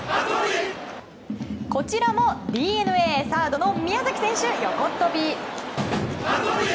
こちらもＤｅＮＡサードの宮崎選手横っ飛び。